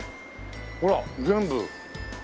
ほら全部。